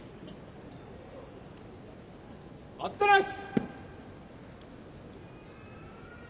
待ったなし。